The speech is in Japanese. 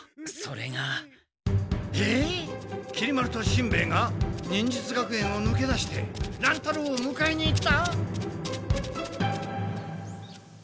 きり丸としんべヱが忍術学園をぬけ出して乱太郎をむかえに行った？